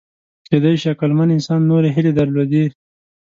کېدای شي عقلمن انسان نورې هیلې درلودې.